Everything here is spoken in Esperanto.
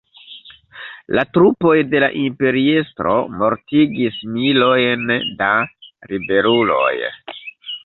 La trupoj de la imperiestro mortigis milojn da ribeluloj.